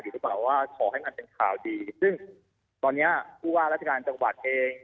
หรือเปล่าว่าขอให้มันเป็นข่าวดีซึ่งตอนเนี้ยผู้ว่าราชการจังหวัดเอง